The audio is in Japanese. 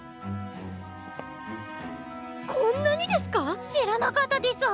こんなにですか⁉知らなかったデス！